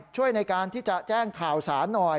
ช่วยในการที่จะแจ้งข่าวสารหน่อย